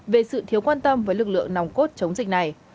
về sự thiếu quan tâm với lực lượng nòng cốt chống dịch này